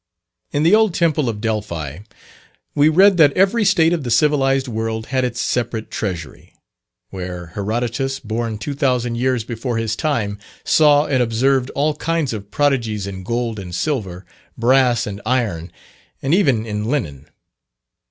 In the old Temple of Delphi, we read that every state of the civilized world had its separate treasury, where Herodotus, born two thousand years before his time, saw and observed all kinds of prodigies in gold and silver, brass and iron, and even in linen.